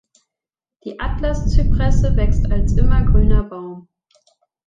Die Atlas-Zypresse wächst als immergrüner Baum.